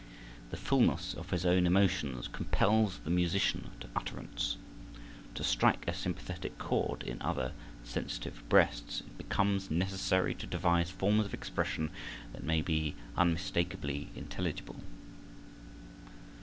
The fulness of his own emotions compels the musician to utterance. To strike a sympathetic chord in other sensitive breasts it becomes necessary to devise forms of expression that may be unmistakably intelligible.